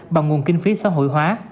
bằng nguồn kinh phí xã hội hóa